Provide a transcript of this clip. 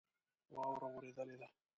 واوره اوریدلی ده